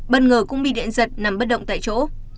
bất ngờ cũng bị điện giật nằm bất động tại chỗ